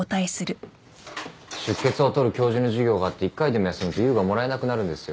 出欠を取る教授の授業があって１回でも休むと「優」がもらえなくなるんですよ。